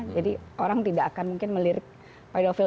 jadi orang tidak akan mungkin melirik paedofil